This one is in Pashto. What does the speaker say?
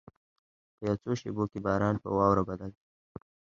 په یو څو شېبو کې باران په واوره بدل شو.